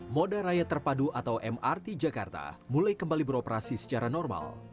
moda raya terpadu atau mrt jakarta mulai kembali beroperasi secara normal